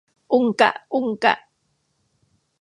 อุงกะ อุงกะ